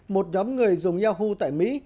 một đám người dùng yahoo tại mỹ